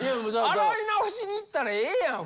洗い直しに行ったらええやん。